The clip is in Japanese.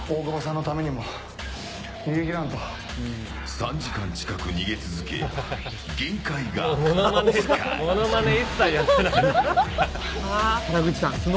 ３時間近く逃げ続け限界が近い。